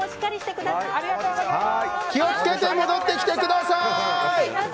気を付けて戻ってきてください！